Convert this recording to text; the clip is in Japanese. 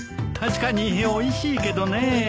確かにおいしいけどね。